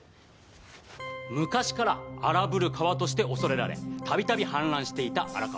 昔から「荒ぶる川」として恐れられたびたび氾濫していた荒川。